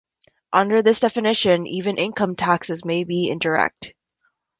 Under this definition, even income taxes may be indirect.